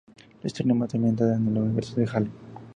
La historia está ambientada en el universo de Halo.